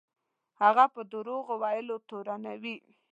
هغه په دروغ ویلو تورنوي.